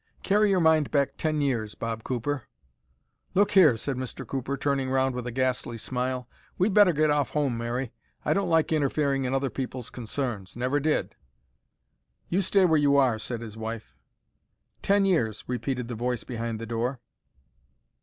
"Carry your mind back ten years, Bob Cooper—" "Look here!" said Mr. Cooper, turning round with a ghastly smile. "We'd better get off home, Mary. I don't like interfering in other people's concerns. Never did." "You stay where you are," said his wife. "Ten years," repeated the voice behind the door.